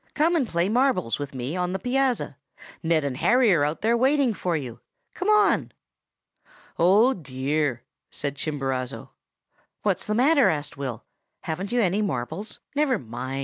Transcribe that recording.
Come and play marbles with me on the piazza. Ned and Harry are out there waiting for you. Come on!' "'Oh, dear!' said Chimborazo. "'What's the matter?' asked Will. 'Haven't you any marbles? Never mind.